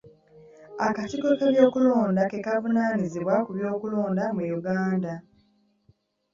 Akakiiko k'ebyokulonda ke kavunaanyizibwa ku by'okulonda mu Uganda.